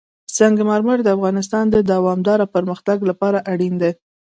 سنگ مرمر د افغانستان د دوامداره پرمختګ لپاره اړین دي.